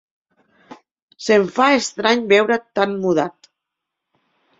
Se'm fa estrany veure't tan mudat.